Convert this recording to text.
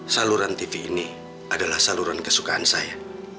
saluran tv ini adalah saluran kesukaan saya